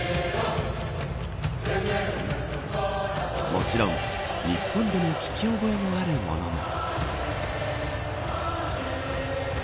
もちろん日本でも聞き覚えのあるものも。